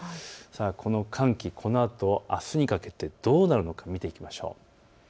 この寒気、このあとあすにかけてどうなるのか見ていきましょう。